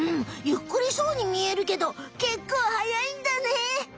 ゆっくりそうに見えるけどけっこうはやいんだね！